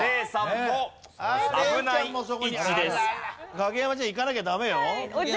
影山ちゃんいかなきゃダメよ。